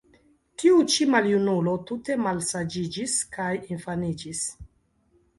Tiu ĉi maljunulo tute malsaĝiĝis kaj infaniĝis.